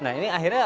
nah ini akhirnya